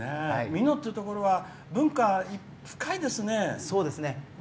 美濃っていうところは文化が深いですね。